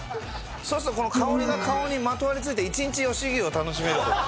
そうするとこの香りが顔にまとわりついて１日牛を楽しめるという。